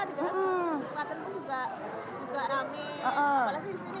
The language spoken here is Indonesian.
di klaten pun juga rame